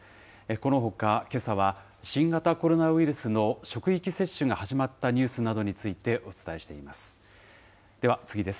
このほか、けさは新型コロナウイルスの職域接種が始まったニュースなどについてお伝えしています。